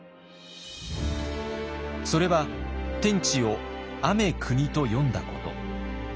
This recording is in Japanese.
それは「天地」を「アメクニ」と読んだこと。